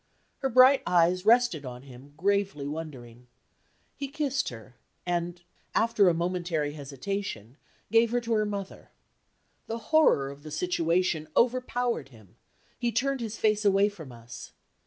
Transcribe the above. Her bright eyes rested on him, gravely wondering. He kissed her, and, after a momentary hesitation, gave her to her mother. The horror of the situation overpowered him: he turned his face away from us.